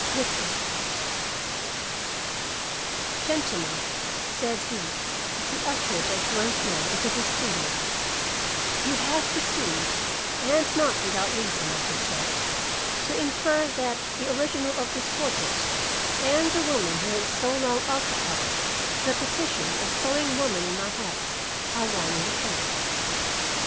LUTTRA "Gentlemen," said he as he ushered us once more into his studio, "you have presumed, and not without reason I should say, to infer that the original of this portrait and the woman who has so long occupied the position of sewing woman in my house, are one and the same.